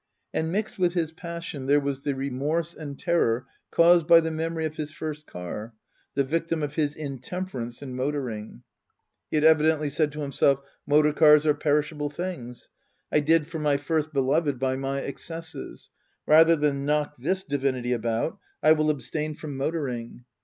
And mixed with his passion there was the remorse and terror caused by the memory of his first car, the victim of his intemperance in motoring. He had evidently said to himself :" Motor cars are perishable things. I did for my first beloved by my excesses. Rather than knock this divinity about I will abstain from motor ing."